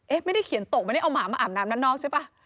เอ๊ะไม่ได้เขียนตกมาเนี่ยเอาหมามาอาบน้ำด้านนอกใช่ป่ะ